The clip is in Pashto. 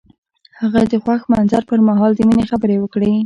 هغه د خوښ منظر پر مهال د مینې خبرې وکړې.